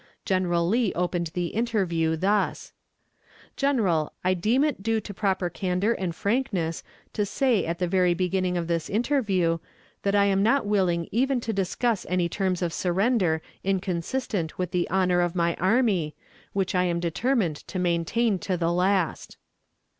General Lee opened the interview thus: "General, I deem it due to proper candor and frankness to say at the very beginning of this interview that I am not willing even to discuss any terms of surrender inconsistent with the honor of my army, which I am determined to maintain to the last."